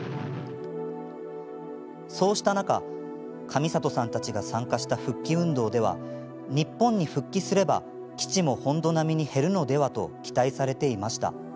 そうした中神里さんたちが参加した復帰運動では、日本に復帰すれば基地も本土並みに減るのではと期待されたのです。